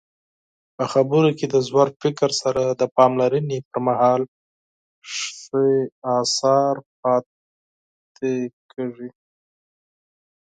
په خبرو کې د ژور فکر سره د پاملرنې پرمهال ښې اثار پاتې کیږي.